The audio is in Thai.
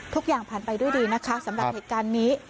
ทุกอย่างผ่านไปด้วยดีนะคะสำหรับเหตุการณ์นี้